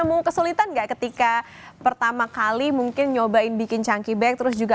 pernah nemu kesulitan ga ketika pertama kali mungkin nyobain bikin chunkie bag terus juga